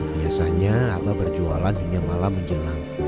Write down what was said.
biasanya abah berjualan hingga malam menjelang